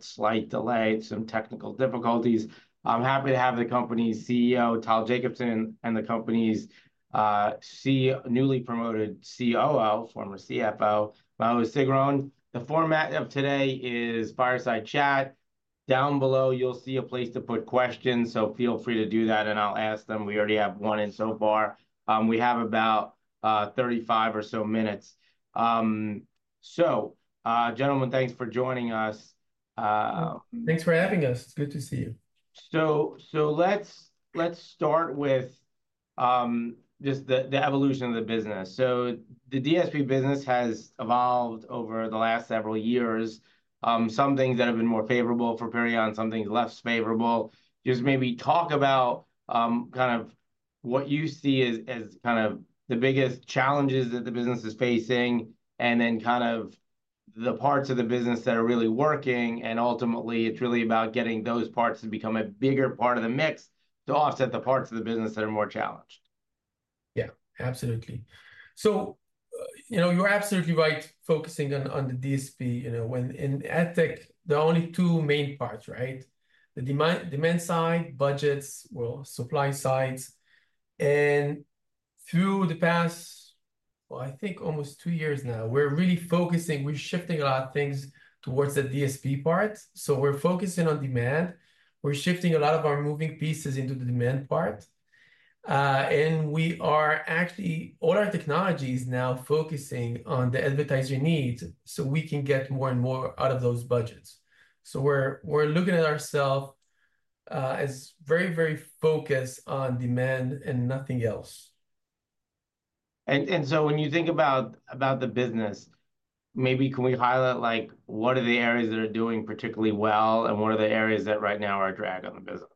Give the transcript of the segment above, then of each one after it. Slight delay, some technical difficulties. I'm happy to have the company's CEO, Tal Jacobson, and the company's newly promoted COO, former CFO, Maoz Sagron. The format of today is fireside chat. Down below, you'll see a place to put questions, so feel free to do that, and I'll ask them. We already have one in so far. We have about 35 or so minutes. Gentlemen, thanks for joining us. Thanks for having us. It's good to see you. So, let's start with just the evolution of the business. The DSP business has evolved over the last several years, some things that have been more favorable for Perion, some things less favorable. Just maybe talk about kind of what you see as kind of the biggest challenges that the business is facing, and then kind of the parts of the business that are really working, and ultimately, it's really about getting those parts to become a bigger part of the mix to offset the parts of the business that are more challenged. Yeah, absolutely. So, you know, you're absolutely right focusing on, on the DSP. You know, when in AdTech, there are only two main parts, right? The demand, demand side, budgets, well, supply sides. And through the past, well, I think almost two years now, we're really focusing, we're shifting a lot of things towards the DSP part. So we're focusing on demand. We're shifting a lot of our moving pieces into the demand part. And we are actually all our technology is now focusing on the advertiser needs, so we can get more and more out of those budgets. So we're, we're looking at ourselves, as very, very focused on demand and nothing else. When you think about the business, maybe can we highlight, like, what are the areas that are doing particularly well, and what are the areas that right now are a drag on the business?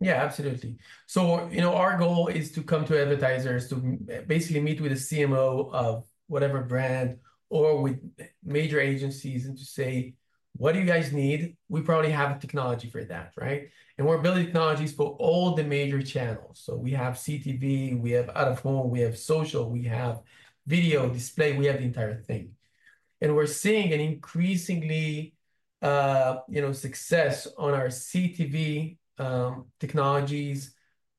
Yeah, absolutely. So, you know, our goal is to come to advertisers, to basically meet with the CMO of whatever brand or with major agencies and to say, "What do you guys need? We probably have a technology for that," right? And we're building technologies for all the major channels. So we have CTV, we have out-of-home, we have social, we have video, display, we have the entire thing. And we're seeing an increasingly, you know, success on our CTV, technologies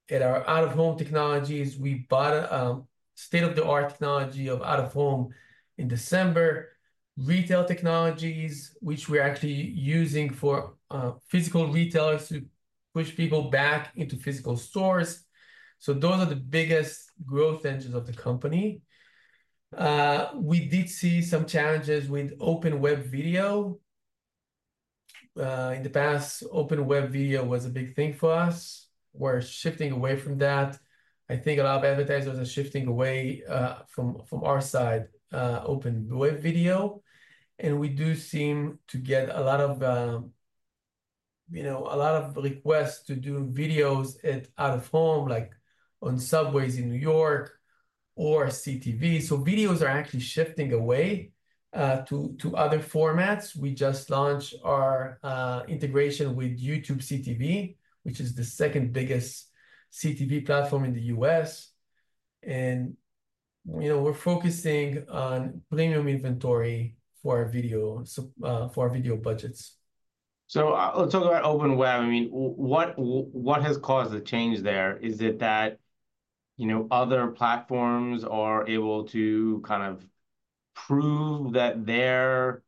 and our out-of-home technologies. We bought a state-of-the-art technology of out-of-home in December. Retail technologies, which we're actually using for, physical retailers to push people back into physical stores. So those are the biggest growth engines of the company. We did see some challenges with open web video. In the past, open web video was a big thing for us. We're shifting away from that. I think a lot of advertisers are shifting away from our side open web video, and we do seem to get a lot of you know a lot of requests to do videos at out-of-home, like on subways in New York or CTV. So videos are actually shifting away to other formats. We just launched our integration with YouTube CTV, which is the second-biggest CTV platform in the U.S., and you know we're focusing on premium inventory for our video, so for our video budgets. So, let's talk about open web. I mean, what has caused the change there? Is it that, you know, other platforms are able to kind of prove that their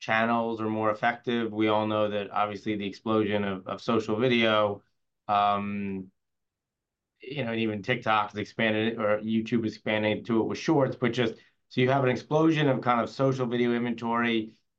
channels are more effective? We all know that obviously, the explosion of social video, you know, even TikTok has expanded, or YouTube expanded to it with Shorts. But just, so you have an explosion of kind of social video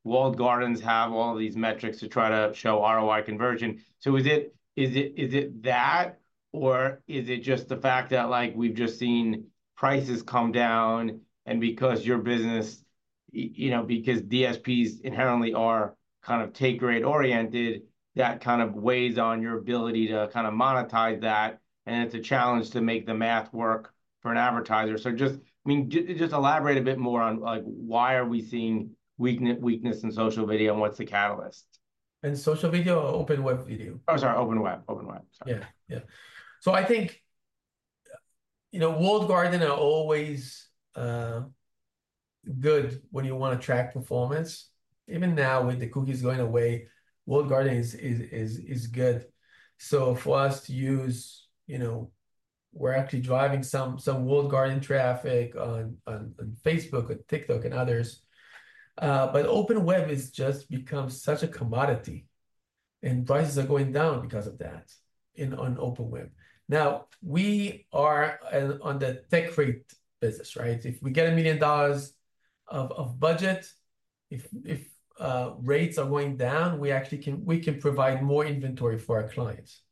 walled gardens have all these metrics to try to show ROI conversion. So is it, is it, is it that, or is it just the fact that, like, we've just seen prices come down, and because your business, you know, because DSPs inherently are kind of take rate-oriented, that kind of weighs on your ability to kinda monetize that, and it's a challenge to make the math work for an advertiser? So just, I mean, just elaborate a bit more on, like, why are we seeing weakness in social video, and what's the catalyst? In social video or open web video? Oh, sorry, open web. open web, sorry. Yeah, yeah. So I think, you walled gardens are always good when you wanna track performance. Even now, with the cookies going away, walled garden is good. So for us to use, you know, we're actually driving some walled garden traffic on Facebook, on TikTok, and others. But open web has just become such a commodity, and prices are going down because of that, in on open web. Now, we are on the take rate business, right? If we get $1 million of budget, if rates are going down, we actually can we can provide more inventory for our clients.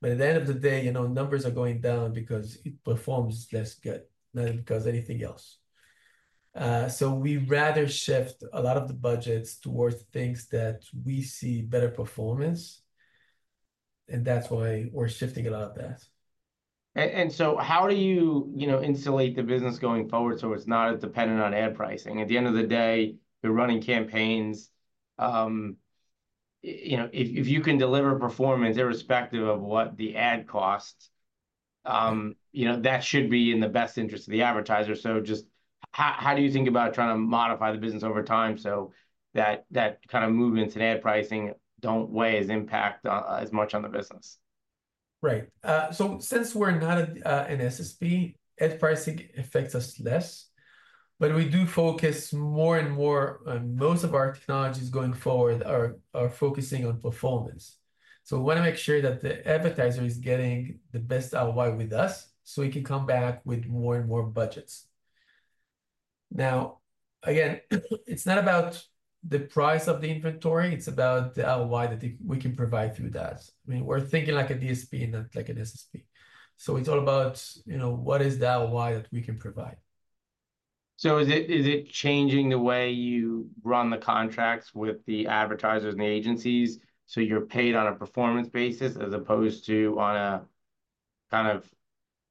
But at the end of the day, you know, numbers are going down because it performs less good than because anything else. So, we rather shift a lot of the budgets towards things that we see better performance, and that's why we're shifting a lot of that. And so how do you, you know, insulate the business going forward, so it's not as dependent on ad pricing? At the end of the day, you're running campaigns, you know, if you can deliver performance, irrespective of what the ad cost, you know, that should be in the best interest of the advertiser. So just how do you think about trying to modify the business over time so that, that kind of movement to ad pricing don't weigh as impact, as much on the business? Right. So since we're not a, an SSP, ad pricing affects us less, but we do focus more and more on most of our technologies going forward are focusing on performance. So we wanna make sure that the advertiser is getting the best ROI with us, so he can come back with more and more budgets. Now, again, it's not about the price of the inventory, it's about the ROI that we can provide through that. I mean, we're thinking like a DSP, not like an SSP. So it's all about, you know, what is the ROI that we can provide? So is it, is it changing the way you run the contracts with the advertisers and the agencies, so you're paid on a performance basis as opposed to on a kind of-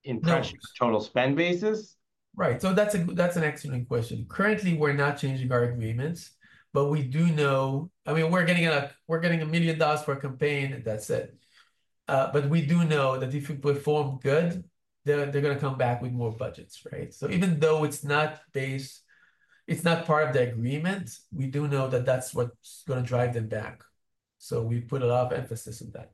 No impressions total spend basis? Right. So that's a, that's an excellent question. Currently, we're not changing our agreements, but we do know. I mean, we're getting a, we're getting a $1 million per campaign, and that's it. But we do know that if we perform good, they're, they're gonna come back with more budgets, right? So even though it's not based- it's not part of the agreement, we do know that that's what's gonna drive them back, so we put a lot of emphasis on that.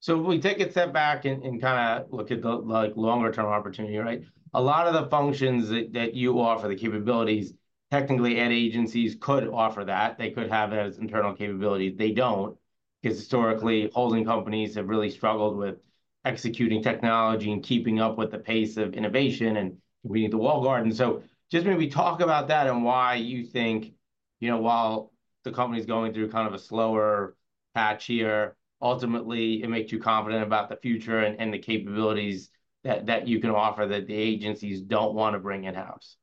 So we take a step back and and kinda look at the like longer term opportunity, right? A lot of the functions that that you offer, the capabilities, technically ad agencies could offer that. They could have that as internal capability. They don't, 'cause historically, holding companies have really struggled with executing technology and keeping up with the pace of innovation, and we need the walled garden. So just maybe talk about that and why you think, you know, while the company's going through kind of a slower patch here, ultimately it makes you confident about the future and and the capabilities that that you can offer that the agencies don't wanna bring in-house.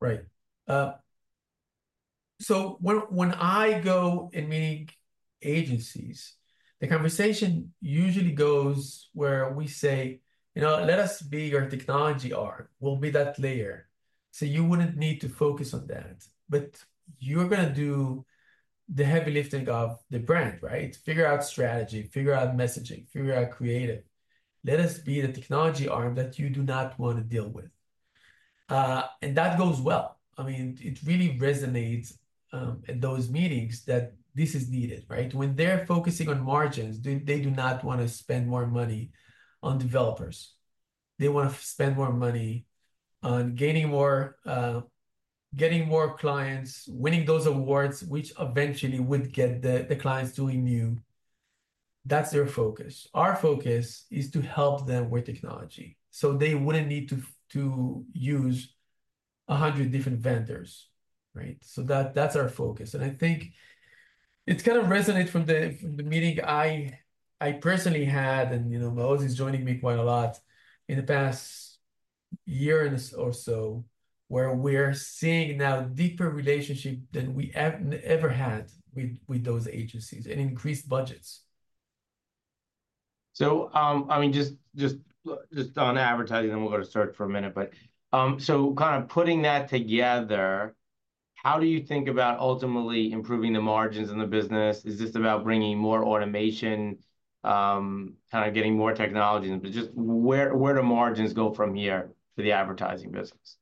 Right. So when I go and meet agencies, the conversation usually goes where we say, "You know, let us be your technology arm. We'll be that layer. So you wouldn't need to focus on that. But you're gonna do the heavy lifting of the brand, right? Figure out strategy, figure out messaging, figure out creative. Let us be the technology arm that you do not wanna deal with." And that goes well. I mean, it really resonates at those meetings that this is needed, right? When they're focusing on margins, they do not wanna spend more money on developers. They wanna spend more money on gaining more, getting more clients, winning those awards, which eventually would get the clients to renew. That's their focus. Our focus is to help them with technology, so they wouldn't need to use 100 different vendors, right? So that, that's our focus, and I think it's kind of resonate from the meeting I personally had, and, you know, Maoz is joining me quite a lot in the past year and or so, where we're seeing now deeper relationship than we ever had with those agencies, and increased budgets. So, I mean, just on advertising, and we'll go to search for a minute. But, so kind of putting that together, how do you think about ultimately improving the margins in the business? Is this about bringing more automation, kind of getting more technology? But just where do margins go from here for the advertising business?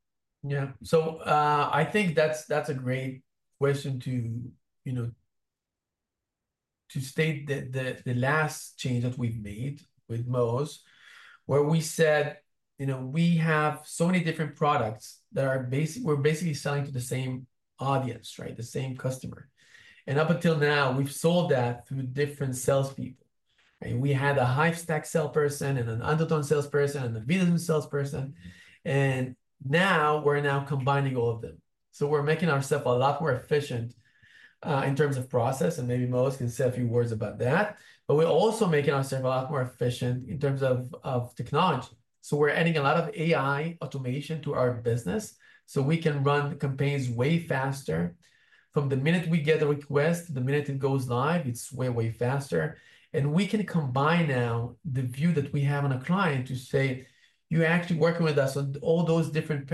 Yeah. So, I think that's a great question to, you know, to state the last change that we've made with Maoz, where we said, "You know, we have so many different products that are basically selling to the same audience, right? The same customer." And up until now, we've sold that through different salespeople, right? We had a Hivestack salesperson, and an Undertone salesperson, and a business salesperson, and now we're combining all of them. So we're making ourselves a lot more efficient in terms of process, and maybe Maoz can say a few words about that. But we're also making ourselves a lot more efficient in terms of technology. So we're adding a lot of AI automation to our business, so we can run campaigns way faster. From the minute we get the request to the minute it goes live, it's way, way faster. And we can combine now the view that we have on a client to say: "You're actually working with us on all those different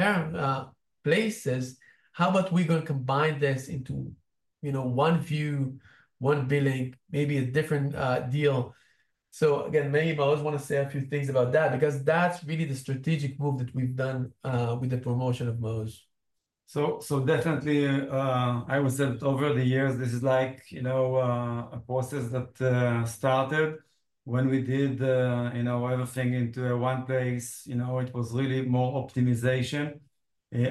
places. How about we gonna combine this into, you know, one view, one billing, maybe a different deal?" So again, maybe Maoz wanna say a few things about that because that's really the strategic move that we've done with the promotion of Maoz. So, so definitely, I would say that over the years, this is like, you know, a process that started when we did, you know, everything into one place. You know, it was really more optimization,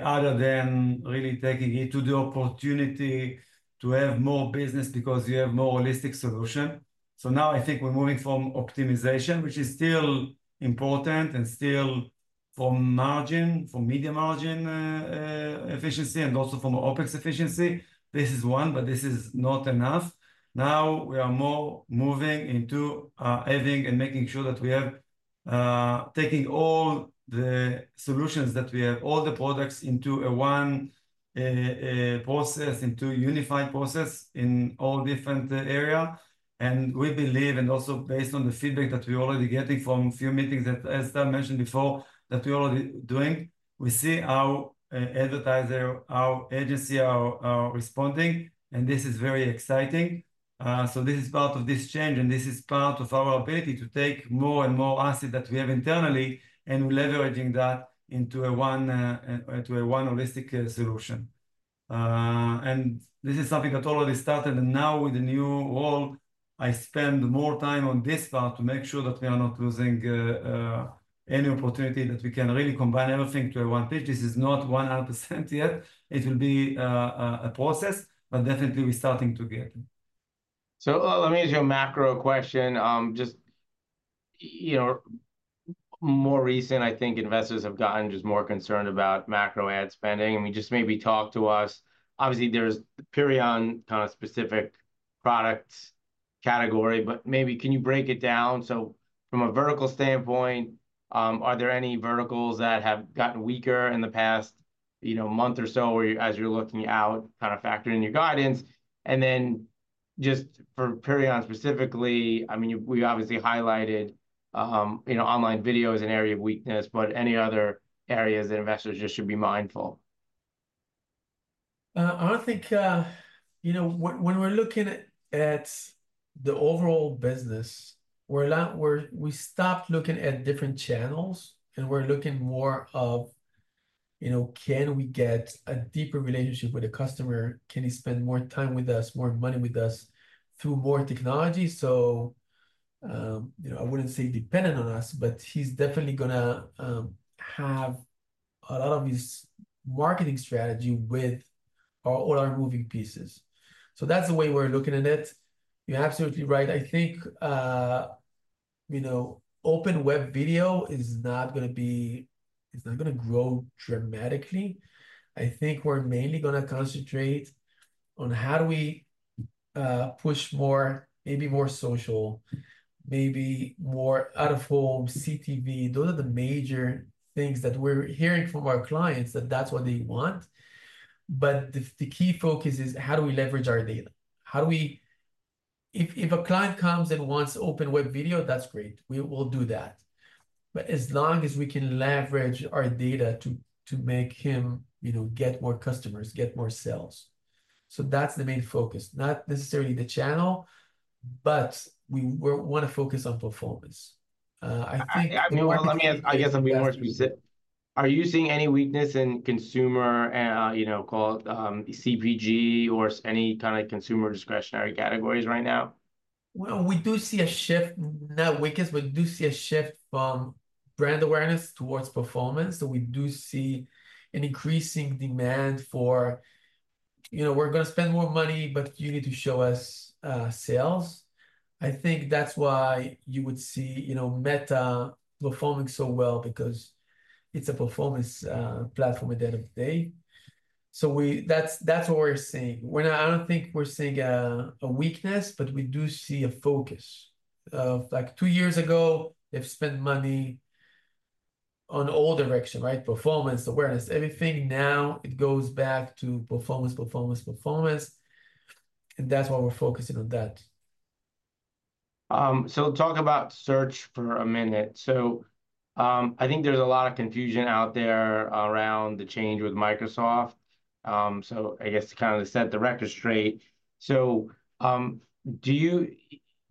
other than really taking it to the opportunity to have more business because you have more holistic solution. So now I think we're moving from optimization, which is still important and still for margin, for media margin, efficiency, and also from OpEx efficiency. This is one, but this is not enough. Now we are more moving into, adding and making sure that we have, taking all the solutions that we have, all the products into a one, process, into a unified process in all different area. We believe, and also based on the feedback that we're already getting from few meetings that as Tal mentioned before, that we're already doing, we see how advertisers, how agencies are responding, and this is very exciting. So this is part of this change, and this is part of our ability to take more and more assets that we have internally, and we're leveraging that into a one, into a one holistic solution. And this is something that already started, and now with the new role, I spend more time on this part to make sure that we are not losing any opportunity, that we can really combine everything to a one page. This is not 100% yet. It will be a process, but definitely we're starting to get. So let me ask you a macro question. Just, you know, more recent, I think investors have gotten just more concerned about macro ad spending, and just maybe talk to us. Obviously, there's Perion kind of specific product category, but maybe can you break it down? So from a vertical standpoint, are there any verticals that have gotten weaker in the past, you know, month or so, whereas you're looking out, kind of factor in your guidance? And then just for Perion specifically, I mean, we obviously highlighted, you know, online video as an area of weakness, but any other areas that investors just should be mindful? I think, you know, when we're looking at the overall business, we stopped looking at different channels, and we're looking more of, you know, can we get a deeper relationship with the customer? Can he spend more time with us, more money with us through more technology? So, you know, I wouldn't say dependent on us, but he's definitely gonna have a lot of his marketing strategy with all our moving pieces. So that's the way we're looking at it. You're absolutely right. I think, you know, open web video is not gonna grow dramatically. I think we're mainly gonna concentrate on how do we push more, maybe more social, maybe more out-of-home, CTV. Those are the major things that we're hearing from our clients, that that's what they want. But the key focus is: How do we leverage our data? How do we... If a client comes and wants open web video, that's great. We will do that, but as long as we can leverage our data to make him, you know, get more customers, get more sales. So that's the main focus, not necessarily the channel, but we wanna focus on performance. I think- Well, let me ask. I guess I'll be more specific. Are you seeing any weakness in consumer, you know, call it, CPG or any kind of consumer discretionary categories right now? Well, we do see a shift, not weakness, but we do see a shift from brand awareness towards performance. So we do see an increasing demand for, you know, we're gonna spend more money, but you need to show us, sales. I think that's why you would see, you know, Meta performing so well because it's a performance, platform at the end of the day. So we that's, that's what we're seeing. We're not I don't think we're seeing a weakness, but we do see a focus. Like two years ago, they've spent money on all direction, right? Performance, awareness, everything. Now it goes back to performance, performance, performance, and that's why we're focusing on that. Talk about search for a minute. I think there's a lot of confusion out there around the change with Microsoft. I guess to kind of set the record straight, do you.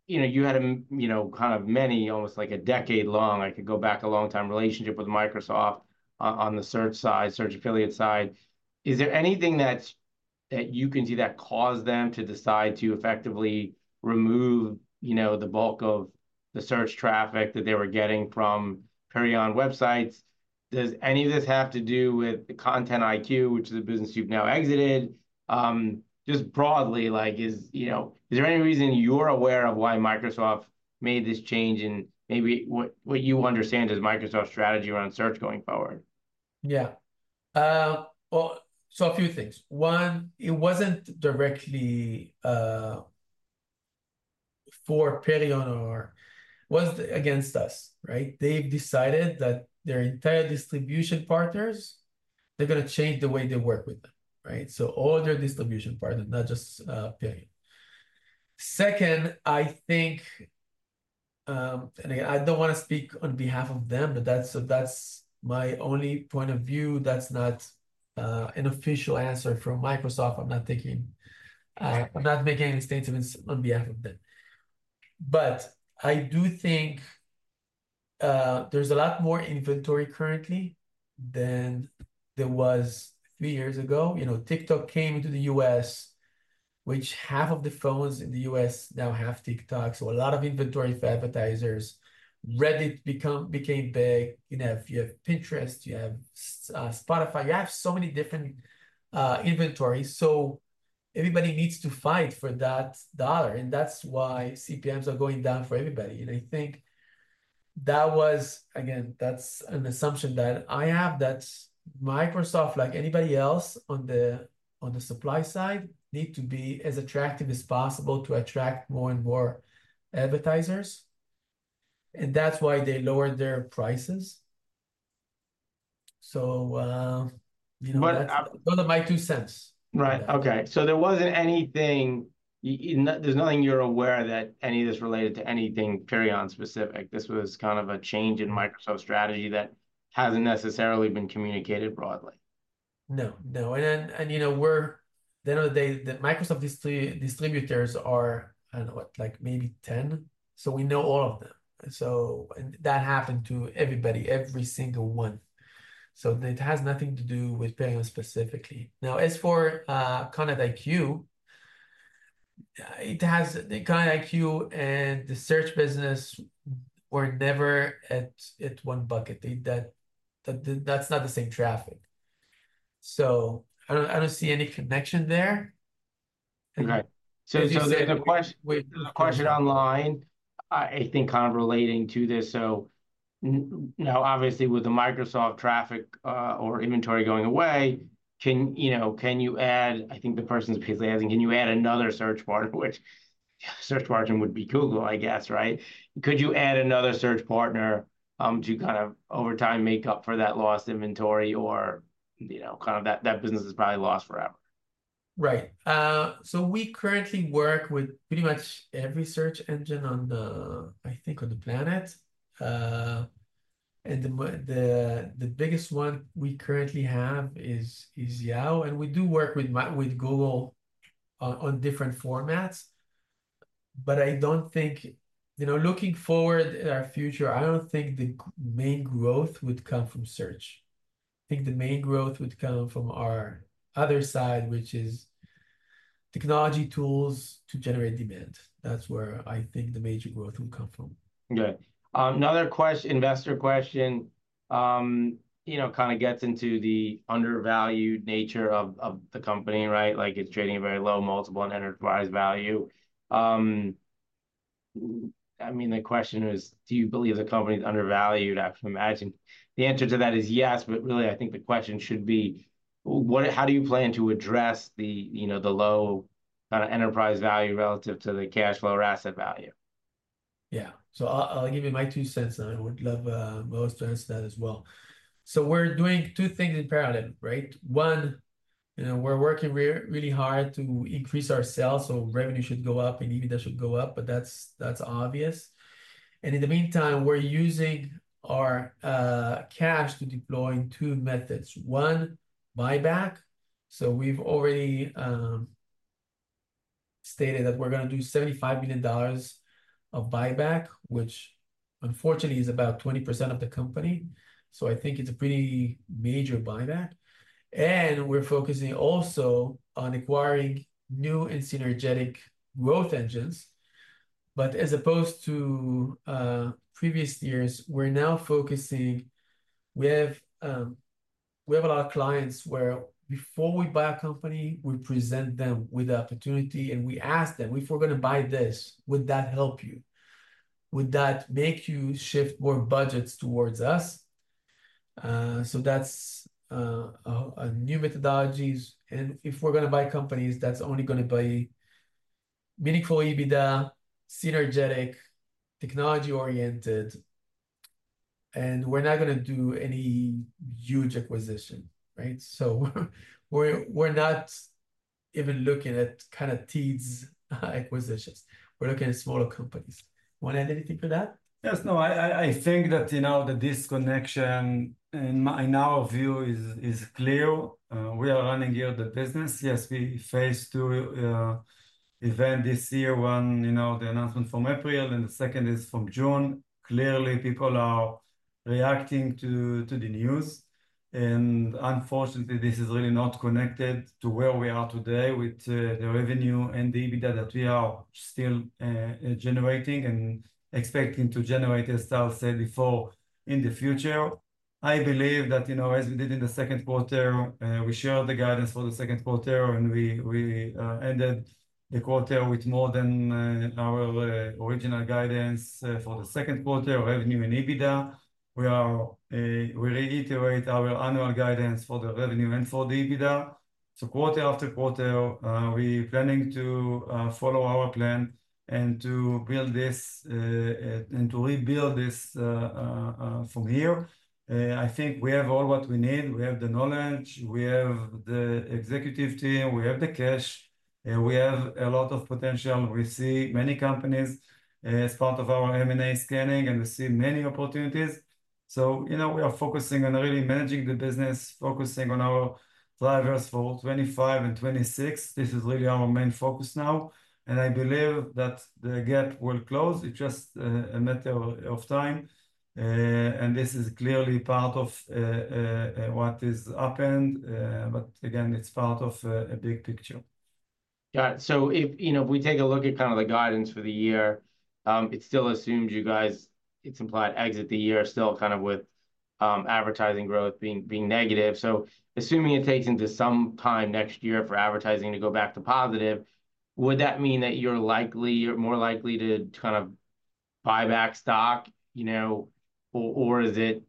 You know, you had, you know, kind of many, almost like a decade-long, I could go back a long time, relationship with Microsoft on the search side, search affiliate side. Is there anything that you can see that caused them to decide to effectively remove, you know, the bulk of the search traffic that they were getting from Perion websites? Does any of this have to do with the Content IQ, which is a business you've now exited? Just broadly, like, you know, is there any reason you're aware of why Microsoft made this change, and maybe what, what you understand is Microsoft's strategy around search going forward? Yeah. Well, so a few things. One, it wasn't directly for Perion or was against us, right? They've decided that their entire distribution partners, they're gonna change the way they work with them, right? So all their distribution partners, not just Perion. Second, I think, and again, I don't wanna speak on behalf of them, but that's, so that's my only point of view. That's not an official answer from Microsoft. I'm not taking, I'm not making any statements on behalf of them. But I do think, there's a lot more inventory currently than there was three years ago. You know, TikTok came into the U.S., which half of the phones in the U.S. now have TikTok, so a lot of inventory for advertisers. Reddit became big. You know, you have Pinterest, you have Spotify. You have so many different inventories, so everybody needs to fight for that dollar, and that's why CPMs are going down for everybody. And I think that was, again, that's an assumption that I have, that Microsoft, like anybody else on the supply side, need to be as attractive as possible to attract more and more advertisers, and that's why they lowered their prices. So, you know- But, uh Those are my two cents. Right. Okay. So there wasn't anything, there's nothing you're aware that any of this related to anything Perion specific. This was kind of a change in Microsoft strategy that hasn't necessarily been communicated broadly? No, no, and then, you know, the other day, the Microsoft distributors are, I don't know what, like maybe 10, so we know all of them. So that happened to everybody, every single one. So it has nothing to do with Perion specifically. Now, as for Content IQ, it has, the Content IQ and the search business were never at one bucket. They, that's not the same traffic. So I don't see any connection there. Right. So the question- Wait- There's a question online. I think kind of relating to this. So now, obviously, with the Microsoft traffic or inventory going away, you know, can you add... I think the person's basically asking, can you add another search partner? Which search partner would be Google, I guess, right? Could you add another search partner to kind of over time make up for that lost inventory or, you know, kind of that business is probably lost forever? Right. So we currently work with pretty much every search engine on the, I think, on the planet. And the biggest one we currently have is Yahoo! And we do work with Google on different formats, but I don't think, you know, looking forward at our future, I don't think the main growth would come from search. I think the main growth would come from our other side, which is technology tools to generate demand. That's where I think the major growth will come from. Okay. Another investor question, you know, kind of gets into the undervalued nature of the company, right? Like it's trading at a very low multiple and enterprise value. I mean, the question is: do you believe the company is undervalued? I can imagine the answer to that is yes, but really, I think the question should be, how do you plan to address the, you know, the low kind of enterprise value relative to the cash flow or asset value? Yeah. So I'll give you my two cents, and I would love, Maoz to answer that as well. So we're doing two things in parallel, right? One, you know, we're working really hard to increase our sales, so revenue should go up, and EBITDA should go up, but that's obvious. And in the meantime, we're using our cash to deploy two methods. One, buyback. So we've already stated that we're gonna do $75 million of buyback, which unfortunately is about 20% of the company, so I think it's a pretty major buyback. And we're focusing also on acquiring new and synergetic growth engines. But as opposed to previous years, we're now focusing... We have a lot of clients where before we buy a company, we present them with the opportunity, and we ask them, "If we're gonna buy this, would that help you? Would that make you shift more budgets towards us?" So that's a new methodologies, and if we're gonna buy companies, that's only gonna buy meaningful EBITDA, synergetic, technology-oriented, and we're not gonna do any huge acquisition, right? So we're not even looking at kind of tuck-in acquisitions. We're looking at smaller companies. Want to add anything to that? Yes, no, I think that, you know, the disconnection in my, in our view is clear. We are running here the business. Yes, we face two event this year. One, you know, the announcement from April, and the second is from June. Clearly, people are reacting to the news, and unfortunately, this is really not connected to where we are today with the revenue and the EBITDA that we are still generating and expecting to generate, as Tal said, before in the future. I believe that, you know, as we did in the second quarter, we shared the guidance for the second quarter, and we ended the quarter with more than our original guidance for the second quarter of revenue and EBITDA. We are, we reiterate our annual guidance for the revenue and for the EBITDA. So quarter after quarter, we planning to, follow our plan and to build this, and to rebuild this, from here. I think we have all what we need. We have the knowledge, we have the executive team, we have the cash, and we have a lot of potential. We see many companies, as part of our M&A scanning, and we see many opportunities. So, you know, we are focusing on really managing the business, focusing on our drivers for 2025 and 2026. This is really our main focus now, and I believe that the gap will close.It's just a matter of time, and this is clearly part of what is happened, but again, it's part of a big picture. Got it. So if, you know, if we take a look at kind of the guidance for the year, it still assumes you guys- it's implied exit the year, still kind of with advertising growth being negative. So assuming it takes some time next year for advertising to go back to positive, would that mean that you're likely or more likely to kind of buy back stock, you know? Or is it,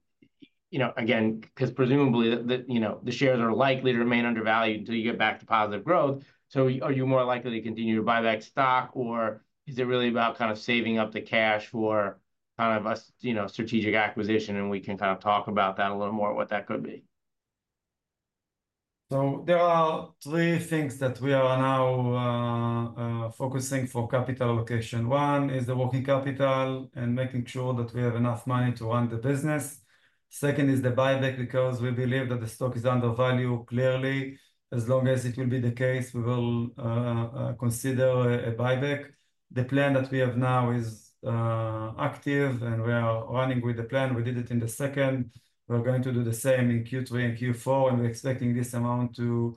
you know, again, 'cause presumably, you know, the shares are likely to remain undervalued until you get back to positive growth. So are you more likely to continue to buy back stock, or is it really about kind of saving up the cash for kind of a, you know, strategic acquisition, and we can kind of talk about that a little more, what that could be? So there are three things that we are now focusing for capital allocation. One is the working capital and making sure that we have enough money to run the business. Second is the buyback, because we believe that the stock is undervalued clearly. As long as it will be the case, we will consider a buyback. The plan that we have now is active, and we are running with the plan. We did it in the second. We're going to do the same in Q3 and Q4, and we're expecting this amount to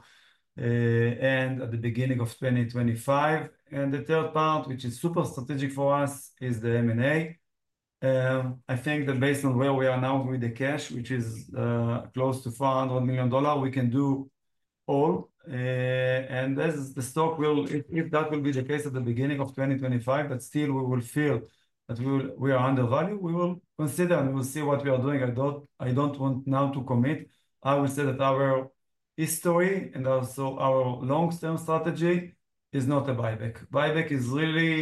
end at the beginning of 2025. The third part, which is super strategic for us, is the M&A. I think that based on where we are now with the cash, which is close to $400 million, we can do all. And as the stock if that will be the case at the beginning of 2025, but still we will feel that we are undervalued, we will consider and we'll see what we are doing. I don't want now to commit. I will say that our history, and also our long-term strategy, is not a buyback. Buyback is really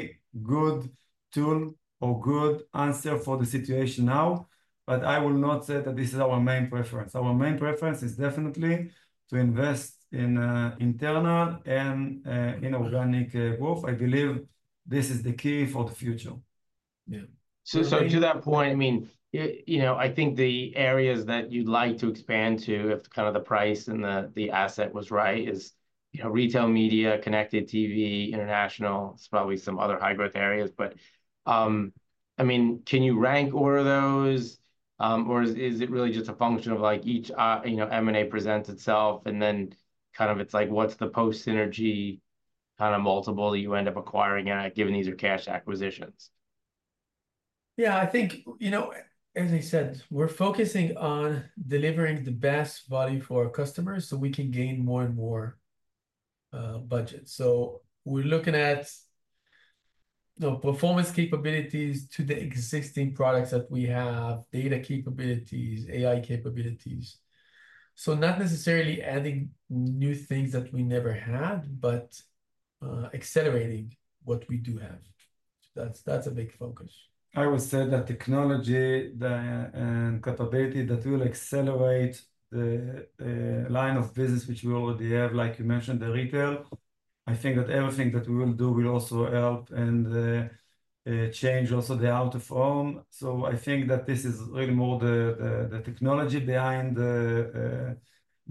good tool or good answer for the situation now, but I will not say that this is our main preference. Our main preference is definitely to invest in internal and in organic growth. I believe this is the key for the future. Yeah. So, to that point, I mean, you know, I think the areas that you'd like to expand to, if kind of the price and the asset was right, is, you know, retail media, Connected TV, international, probably some other high-growth areas. But, I mean, can you rank all of those, or is it really just a function of, like, each, you know, M&A presents itself, and then kind of it's like, what's the post synergy kind of multiple that you end up acquiring at, given these are cash acquisitions? Yeah, I think, you know, as I said, we're focusing on delivering the best value for our customers, so we can gain more and more budget. So we're looking at the performance capabilities to the existing products that we have, data capabilities, AI capabilities. So not necessarily adding new things that we never had, but accelerating what we do have. That's, that's a big focus. I would say that technology and capability that will accelerate the line of business, which we already have, like you mentioned, the retail. I think that everything that we will do will also help and change also the out-of-home. So I think that this is really more the technology behind the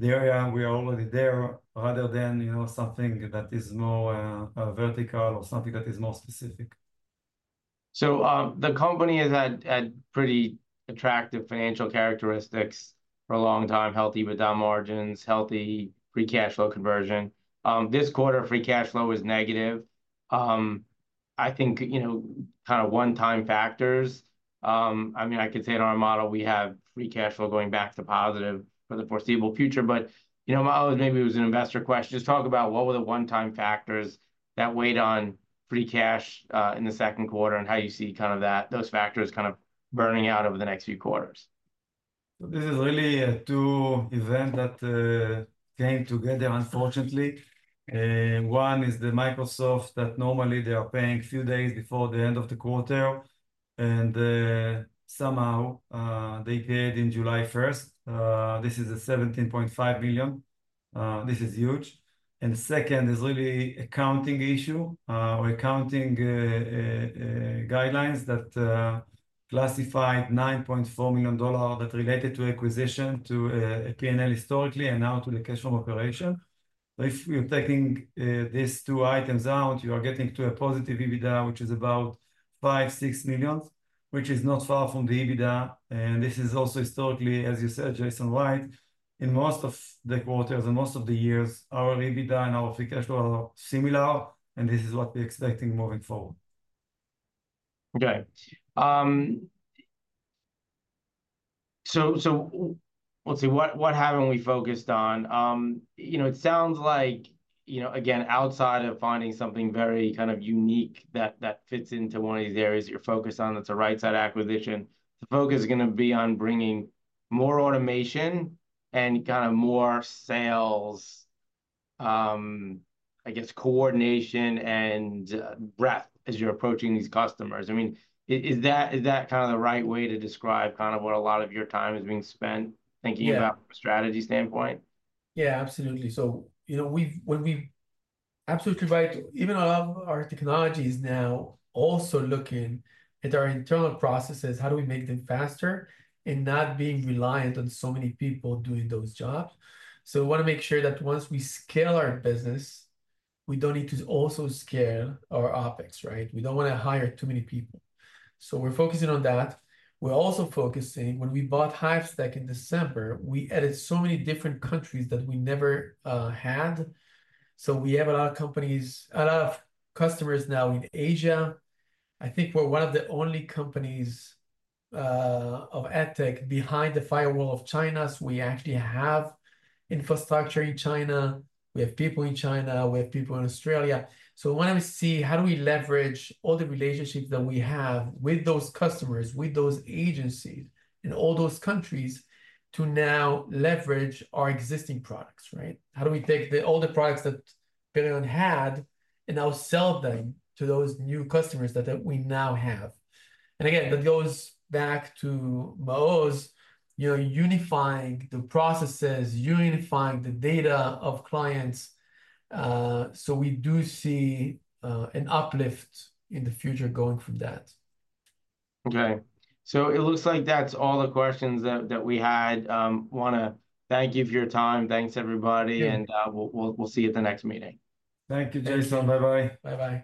area we are already there, rather than, you know, something that is more vertical or something that is more specific. So, the company has had pretty attractive financial characteristics for a long time, healthy EBITDA margins, healthy free cash flow conversion. This quarter, free cash flow is negative. I think, you know, kind of one-time factors, I mean, I could say in our model, we have free cash flow going back to positive for the foreseeable future. But, you know, Maoz, maybe it was an investor question. Just talk about what were the one-time factors that weighed on free cash in the second quarter, and how you see kind of that, those factors kind of burning out over the next few quarters. This is really two events that came together, unfortunately. One is the Microsoft that normally they are paying few days before the end of the quarter, and somehow they paid in July first. This is a $17.5 million. This is huge. And the second is really accounting issue or accounting guidelines that classified $9.4 million that related to acquisition to PNL historically and now to the cash flow operation. If you're taking these two items out, you are getting to a positive EBITDA, which is about $5-$6 million, which is not far from the EBITDA, and this is also historically, as you said, Jason, right? In most of the quarters and most of the years, our EBITDA and our free cash flow are similar, and this is what we're expecting moving forward. Okay. So let's see. What haven't we focused on? You know, it sounds like, you know, again, outside of finding something very kind of unique that fits into one of these areas you're focused on, that's a right-side acquisition. The focus is gonna be on bringing more automation and kind of more sales, I guess, coordination and breadth as you're approaching these customers. I mean, is that kind of the right way to describe kind of what a lot of your time is being spent, thinking- Yeah about from a strategy standpoint? Yeah, absolutely. So, you know, we've... Absolutely right. Even a lot of our technology is now also looking at our internal processes, how do we make them faster, and not being reliant on so many people doing those jobs. So we wanna make sure that once we scale our business, we don't need to also scale our OpEx, right? We don't wanna hire too many people. So we're focusing on that. We're also focusing, when we bought Hivestack in December, we added so many different countries that we never had. So we have a lot of companies, a lot of customers now in Asia. I think we're one of the only companies of AdTech behind the firewall of China. We actually have infrastructure in China, we have people in China, we have people in Australia. So we wanna see how do we leverage all the relationships that we have with those customers, with those agencies, in all those countries, to now leverage our existing products, right? How do we take the, all the products that Hivestack had and now sell them to those new customers that, that we now have? And again, that goes back to Maoz, you know, unifying the processes, unifying the data of clients, so we do see, an uplift in the future going from that. Okay. So it looks like that's all the questions that we had. Wanna thank you for your time. Thanks, everybody- Yeah. and, we'll, we'll, we'll see you at the next meeting. Thank you, Jason. Bye-bye. Bye-bye.